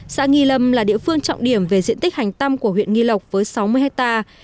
xã nghi lâm là địa phương trọng điểm về diện tích hành tâm của huyện nghi lộc với sáu mươi hectare